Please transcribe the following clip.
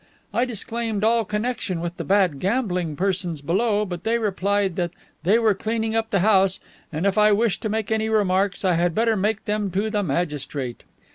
I disclaimed all connection with the bad gambling persons below, but they replied that they were cleaning up the house, and, if I wished to make any remarks, I had better make them to the magistrate.